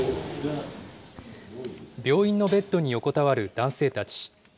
病院のベッドに横たわる男性たち。